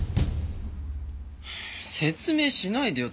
説明しないでよ。